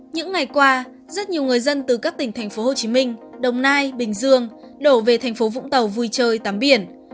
những ngày qua rất nhiều người dân từ các tỉnh tp hcm đồng nai bình dương đổ về tp vũng tàu vui chơi tắm biển